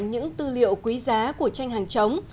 những tư liệu quý giá của tranh hàng chống